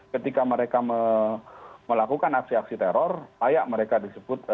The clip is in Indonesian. ketika mereka melakukan aksi aksi teror layak mereka disebut